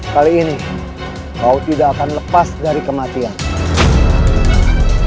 kali ini kau tidak akan lepas dari kematian